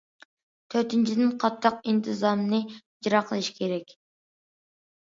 تۆتىنچىدىن، قاتتىق ئىنتىزامنى ئىجرا قىلىش كېرەك.